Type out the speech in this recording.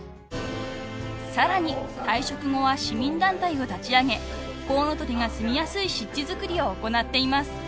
［さらに退職後は市民団体を立ち上げコウノトリがすみやすい湿地作りを行っています］